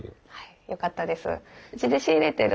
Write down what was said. よかったです。